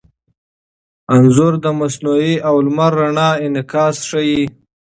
انځور د مصنوعي او لمر رڼا انعکاس ښيي.